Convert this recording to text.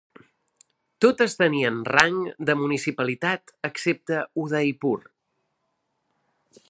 Totes tenien rang de municipalitat excepte Udaipur.